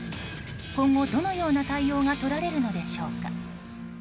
今後、どのような対応がとられるのでしょうか。